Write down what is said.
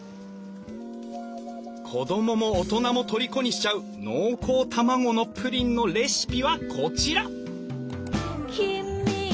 子供も大人もとりこにしちゃう濃厚卵のプリンのレシピはこちら！